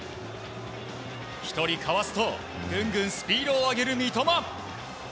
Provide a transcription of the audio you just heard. １人かわすと、ぐんぐんスピードを上げる三笘。